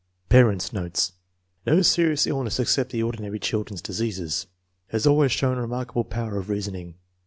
Parents 9 notes. No serious illness except the ordi nary children's diseases. Has always shown remark able power of reasoning.